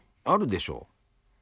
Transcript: あるでしょ。